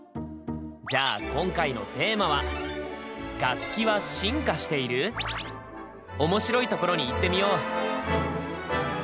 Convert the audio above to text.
じゃあ今回のテーマはおもしろいところに行ってみよう。